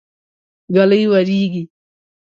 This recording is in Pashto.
ږلۍ وريږي.